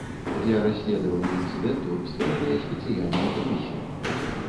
Для расследавання інцыдэнту створаная спецыяльная камісія.